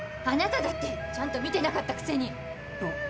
あなただってちゃんと見てなかったくせに！